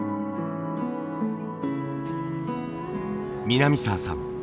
南沢さん